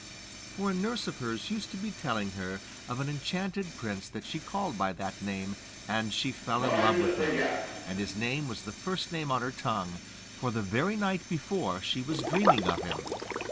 For a nurse of hers used to be telling her of an enchanted prince that she called by that name, and she fell in love with him, and his name was the first name on her tongue, for the very night before she was dreaming of him.